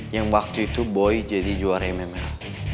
yang waktu itu boy jadi juara mml